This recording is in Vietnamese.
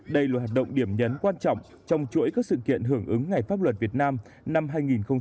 đây là hạt động điểm nhấn quan trọng trong chuỗi các sự kiện hưởng ứng ngày pháp luật việt nam năm hai nghìn hai mươi hai trên phạm vi cả nước